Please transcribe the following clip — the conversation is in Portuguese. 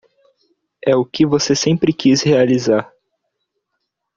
É o que você sempre quis realizar.